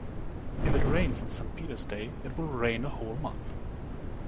If it rains on St. Peter’s day, it will rain a whole month.